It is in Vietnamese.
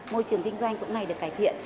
môi trường kinh doanh cũng ngày được cải thiện